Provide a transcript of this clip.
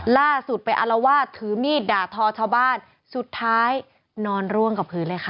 ล่าสุดไปอารวาสถือมีดด่าทอชาวบ้านสุดท้ายนอนร่วงกับพื้นเลยค่ะ